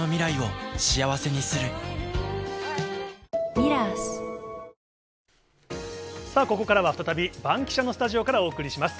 ニトリさあ、ここからは再びバンキシャ！のスタジオからお送りします。